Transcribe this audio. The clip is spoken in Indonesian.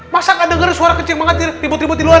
masa gak denger suara kecil mengatir ribut ribut di luar